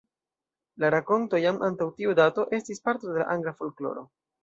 La rakonto, jam antaŭ tiu dato, estis parto de la angla folkloro.